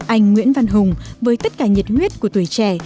anh nguyễn văn hùng với tất cả nhiệt huyết của tuổi trẻ